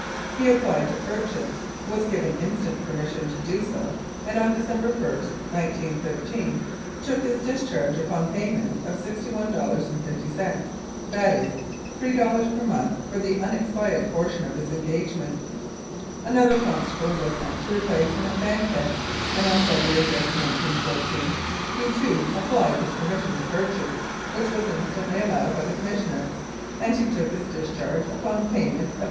He applied to purchase, was given instant permission to do so, and, on December i, 1913, took his discharge upon payment of $61.50, that is $3 per month for the unexpired portion of his engagement. Another constable was sent to replace him at Bank head, and on February 5, 1914, he, too, applied for permission to purchase, which was instantly allowed by the Commissioner, and he took his discharge upon pay ment of $85.